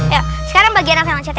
yuk sekarang bagian apa yang loncat ya